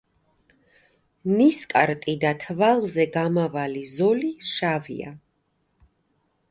ნისკარტი და თვალზე გამავალი ზოლი შავია.